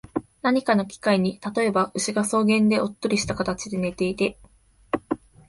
何かの機会に、例えば、牛が草原でおっとりした形で寝ていて、